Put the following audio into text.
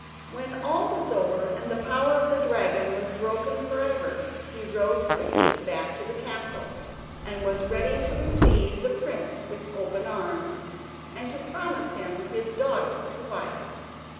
When all was over, and the power of the dragon was broken for ever, he rode quickly back to the castle, and was ready to receive the prince with open arms, and to promise him his daughter to wife.